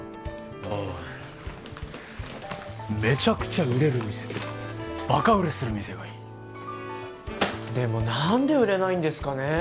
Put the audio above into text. ああめちゃくちゃ売れる店バカ売れする店がいいでも何で売れないんですかね